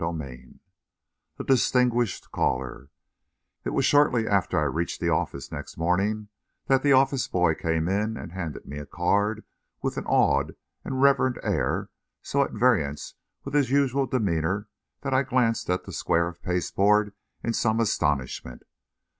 CHAPTER XIII A DISTINGUISHED CALLER It was shortly after I reached the office, next morning, that the office boy came in and handed me a card with an awed and reverent air so at variance with his usual demeanour that I glanced at the square of pasteboard in some astonishment.